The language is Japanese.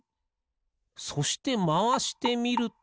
そしてまわしてみると